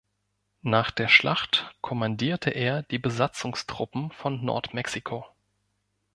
Nach der Schlacht kommandierte er die Besatzungstruppen von Nordmexiko.